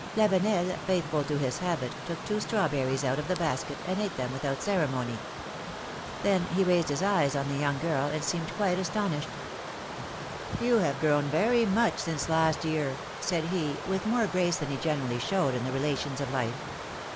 Lavenel, faithful to his habit, took t\vo strawberries out of the basket, and ate them without ceremony ; then he raised his eyes on the young girl, and seemed quite aston ished. philom^:ne's marriages. 115 ^^You have grown very much since last year/^ said he, with more grace than he generally showed in the relations of life.